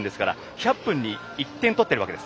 １００分に１点取っているんです。